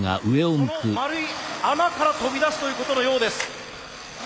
その丸い穴から飛び出すということのようです。